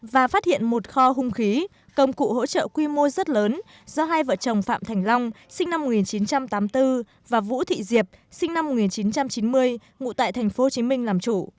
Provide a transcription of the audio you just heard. và phát hiện một kho hung khí công cụ hỗ trợ quy mô rất lớn do hai vợ chồng phạm thành long sinh năm một nghìn chín trăm tám mươi bốn và vũ thị diệp sinh năm một nghìn chín trăm chín mươi ngụ tại tp hcm làm chủ